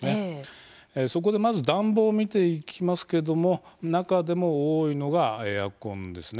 そこでまず暖房を見ていきますけども中でも多いのがエアコンですね。